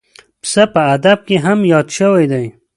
پسه په ادب کې هم یاد شوی دی.